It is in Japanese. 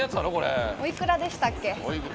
お幾らでしたっけ？